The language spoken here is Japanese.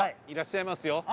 いらっしゃいますよ。